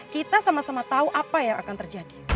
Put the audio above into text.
kita sama sama tahu apa yang akan terjadi